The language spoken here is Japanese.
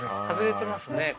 外れてますね